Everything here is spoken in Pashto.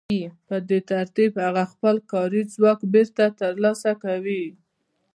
په دې ترتیب هغه خپل کاري ځواک بېرته ترلاسه کوي